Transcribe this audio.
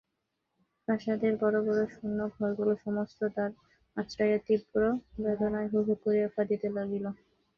প্রাসাদের বড়ো বড়ো শূন্য ঘরগুলো সমস্ত দ্বার আছড়াইয়া তীব্র বেদনায় হুহু করিয়া কাঁদিতে লাগিল।